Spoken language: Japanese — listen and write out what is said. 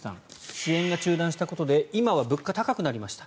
支援が中断したことで今は物価が高くなりました。